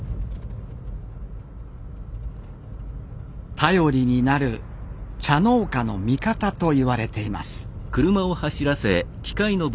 頼りになる茶農家の味方と言われています